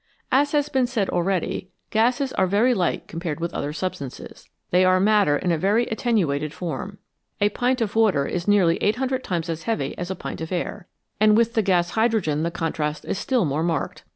As has been said already, gases are very light com pared with other substances ; they are matter in a very attenuated form. A pint of water is nearly 800 times as heavy as a pint of air, and with the gas hydrogen the contrast is still more marked.